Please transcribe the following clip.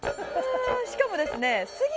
しかもですねスギ。